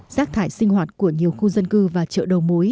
rác thải sinh hoạt của nhiều khu dân cư và chợ đầu mối